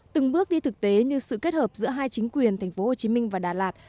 từng bước đi thực tế như sự kết hợp giữa hai chính quyền tp hcm và đà lạt